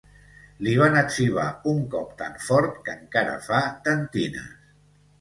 Li van etzibar un cop tan fort, que encara fa tentines.